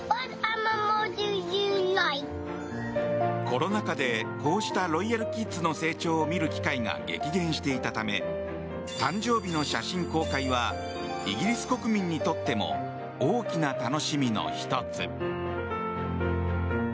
コロナ禍でこうしたロイヤルキッズの成長を見る機会が激減していたため誕生日の写真公開はイギリス国民にとっても大きな楽しみの１つ。